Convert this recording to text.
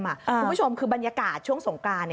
คุณผู้ชมคือบรรยากาศช่วงสงกราน